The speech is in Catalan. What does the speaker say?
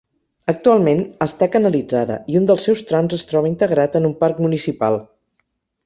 Actualment està canalitzada i un dels seus trams es troba integrat en un parc municipal.